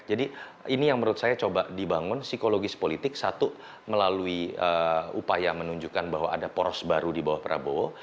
jadi ini yang menurut saya coba dibangun psikologis politik satu melalui upaya menunjukkan bahwa ada poros baru di bawah prabowo